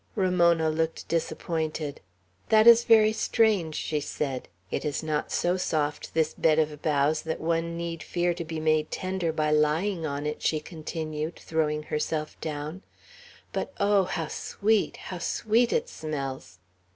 Ramona looked disappointed. "That is very strange," she said. "It is not so soft, this bed of boughs, that one need fear to be made tender by lying on it," she continued, throwing herself down; "but oh, how sweet, how sweet it smells!"